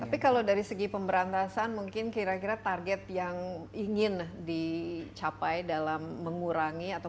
tapi kalau dari segi pemberantasan mungkin kira kira target yang ingin dicapai dalam mengurangi atau